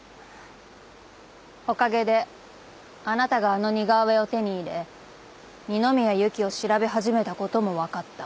おかげであなたがあの似顔絵を手に入れ二宮ゆきを調べ始めた事もわかった。